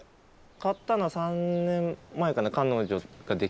買ったのは３年前かな彼女ができて。